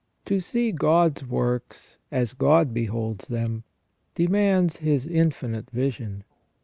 To see God's works as God beholds them demands His infinite vision.